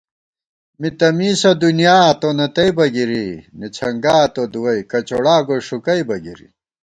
مِی تہ مِیسہ دُنیا، تو نہ تئیبہ بہ گِری ✿ نِڅَھنگا تو دُوَئی، کچوڑا گوئی ݭُکَئیبہ گِری